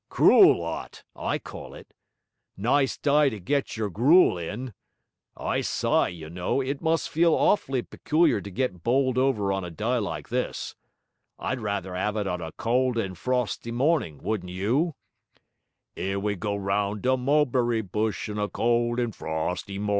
'Cruel 'ot, I call it. Nice d'y to get your gruel in! I s'y, you know, it must feel awf'ly peculiar to get bowled over on a d'y like this. I'd rather 'ave it on a cowld and frosty morning, wouldn't you? "'Ere we go round the mulberry bush on a cowld and frosty mornin'."